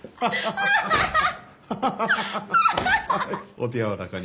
お手柔らかに。